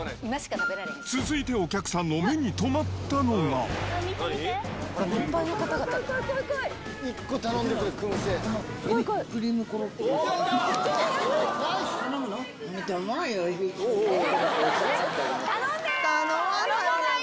続いてお客さんの目に留まったの怖い、怖い、怖い。